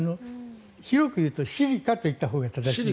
広く言うとシリカといったほうが正しい。